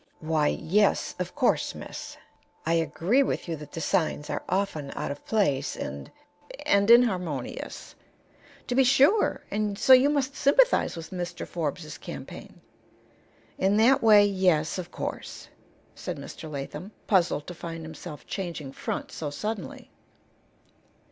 "Why ahem! yes; of course, miss. I agree with you that the signs are often out of place, and and inharmonious." "To be sure; and so you must sympathize with Mr. Forbes's campaign." "In that way, yes; of course," said Mr. Latham, puzzled to find himself changing front so suddenly.